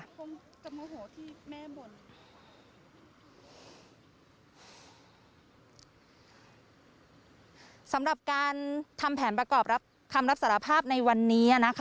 โฆษีมากสำหรับการทำแผนประกอบคำรับสารภาพในวันนี้